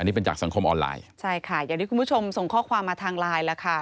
อันนี้เป็นจากสังคมออนไลน์ใช่ค่ะอย่างที่คุณผู้ชมส่งข้อความมาทางไลน์แล้วค่ะ